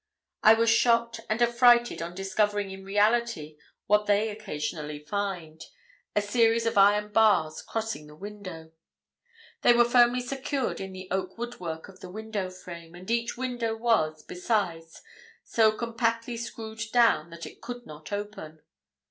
I was shocked and affrighted on discovering in reality what they occasionally find a series of iron bars crossing the window! They were firmly secured in the oak woodwork of the window frame, and each window was, besides, so compactly screwed down that it could not open.